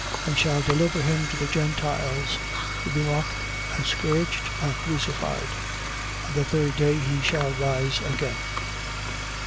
20:19. And shall deliver him to the Gentiles to be mocked and scourged and crucified: and the third day he shall rise again.